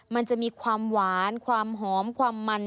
มันจะมีความหวานความหอมความมัน